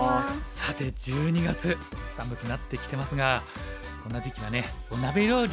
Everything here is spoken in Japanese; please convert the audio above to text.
さて１２月寒くなってきてますがこんな時期はね鍋料理。